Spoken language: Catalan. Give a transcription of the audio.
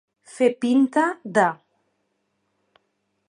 Fer pinta de.